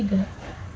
tidak jelita lulus